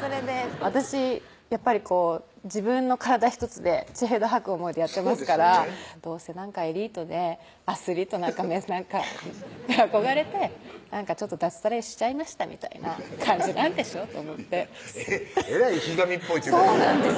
それで私やっぱり自分の体ひとつで血へど吐く思いでやってますからどうせなんかエリートでアスリートなんか憧れて脱サラしちゃいましたみたいな感じなんでしょ？と思ってえらいひがみっぽいっていうかそうなんです